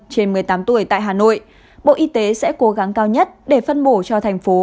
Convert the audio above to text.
trên một mươi tám tuổi tại hà nội bộ y tế sẽ cố gắng cao nhất để phân bổ cho thành phố